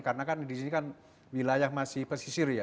karena kan di sini kan wilayah masih pesisir ya